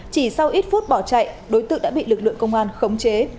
chỉ sau ít phút bỏ chạy đối tượng đã bị lực lượng công an khống chế